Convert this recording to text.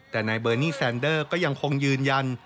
แต่นายเบอร์นี่แซนเดอร์ก็ยังคงยืนยัน